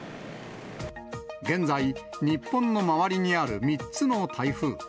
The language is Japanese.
現在、日本の周りにある３つの台風。